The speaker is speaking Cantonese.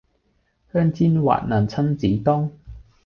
香煎滑嫩親子丼